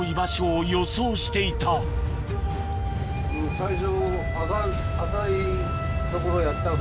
最初。